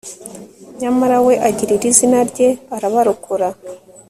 nyamara we, agirira izina rye arabarokora